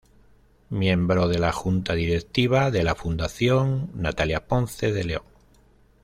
Miembro de la junta directiva de la fundación Natalia Ponce De León.